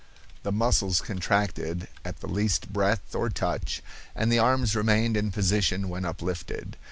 The muscles contracted at the least breath or touch, and the arms remained in position when uplifted.